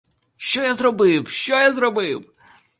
Що я зробив, що я зробив!